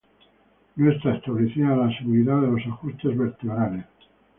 No está establecida la seguridad de los ajustes vertebrales.